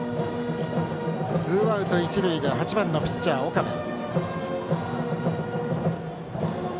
ツーアウト一塁で８番のピッチャー岡部。